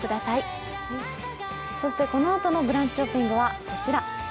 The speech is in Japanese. このあとのブランチショッピングはこちら。